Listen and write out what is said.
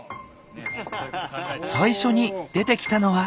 最初に出てきたのは。